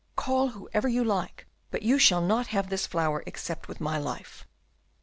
"Call whoever you like, but you shall not have this flower except with my life."